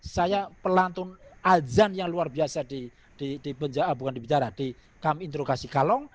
saya pelantun adzan yang luar biasa di kam interokasi kalong